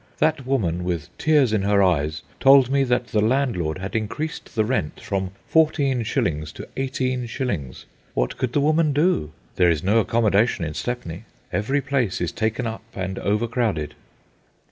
That woman, with tears in her eyes, told me that the landlord had increased the rent from fourteen shillings to eighteen shillings. What could the woman do? There is no accommodation in Stepney. Every place is taken up and overcrowded.